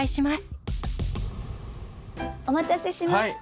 お待たせしました。